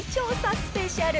スペシャル。